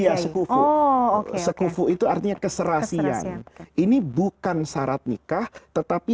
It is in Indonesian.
iya sekufu sekufu itu artinya keserasian ini bukan syarat nikah tetapi